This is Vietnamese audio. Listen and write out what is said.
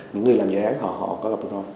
những người làm dự án họ có gặp rủi ro